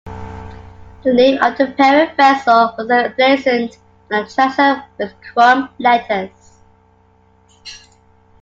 The name of the parent vessel was emblazoned on the transom with chrome letters.